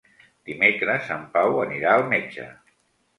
Dimecres en Pau anirà al metge.